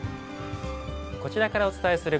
こちらからお伝えする